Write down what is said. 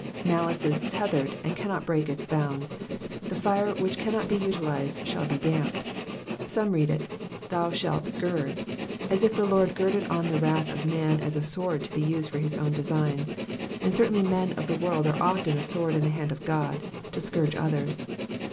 '''' Malice is tethered and cannot break its bounds. The fire which cannot be utilised shall be damped. Some read it ^^ thou shalt gird/' as if the Lord girded on the wrath of man as a sword to be used for his own designs, and certainly men of the world are often a sword in the hand of God, to scourge others.